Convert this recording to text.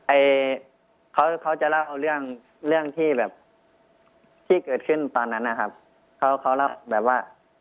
ไอ้เขาเขาจะเล่าเรื่องเรื่องที่แบบที่เกิดขึ้นตอนนั้นนะครับเขาเขารับแบบว่า